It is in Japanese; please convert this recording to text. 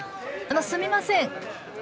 あのすみません。